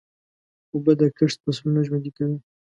اوبه د کښت فصلونه ژوندي کوي.